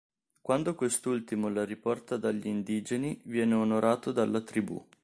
Quando quest'ultimo la riporta dagli indigeni, viene onorato dalla tribù.